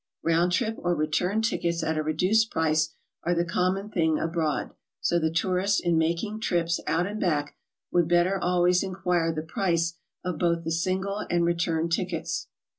Round trip or return tickets at a reduced price are the common thing abroad, so the tourist in making trips ''out and back" would better always inquire the price of both the single and return tickets.